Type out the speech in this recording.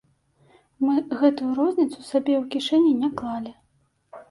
Мы гэтую розніцу сабе ў кішэню не клалі.